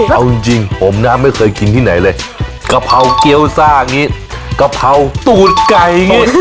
เอาจริงผมน่าไม่เคยกินที่ไหนเลยกะเพราเกี๊ยวซ่ากะเพราตูดไก่